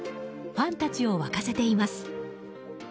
ファンたちを沸かせています。